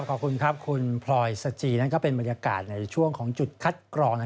ขอบคุณครับคุณพลอยสจีริฐศิลป์นั่นก็เป็นบริการในช่วงของจุดคัดกรองนะคะ